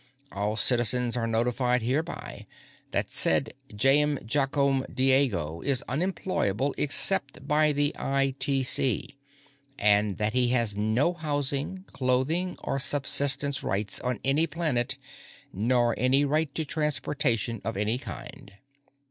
All citizens are notified hereby that said Jaim Jakom Diego is unemployable except by the ITC, and that he has no housing, clothing, nor subsistance rights on any planet, nor any right to transportation of any kind.